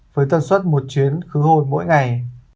với tần suất một chuyến khứ hồi mỗi ngày